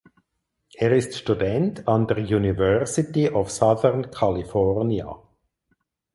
Er ist Student an der University of Southern California.